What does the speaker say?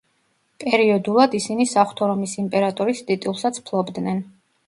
პერიოდულად ისინი საღვთო რომის იმპერატორის ტიტულსაც ფლობდნენ.